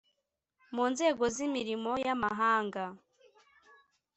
mu nzego z’imirimo ya mahanga